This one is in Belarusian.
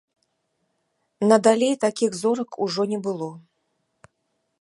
Надалей такіх зорак ужо не было.